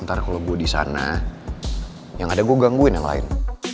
ntar kalo gue disana yang ada gue gangguin yang lain